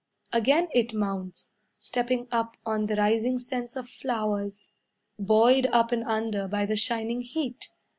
Again it mounts, Stepping up on the rising scents of flowers, Buoyed up and under by the shining heat.